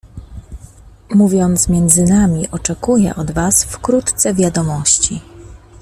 "Mówiąc między nami, oczekuję od was wkrótce wiadomości."